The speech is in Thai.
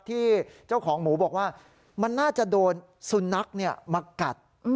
ที่เจ้าของหมูบอกว่ามันน่าจะโดนสุนัขมากัด